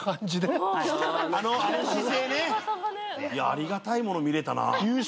ありがたいもの見れたな。